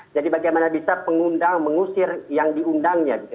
jadi bagaimana bisa pengundang mengusir yang diundangnya gitu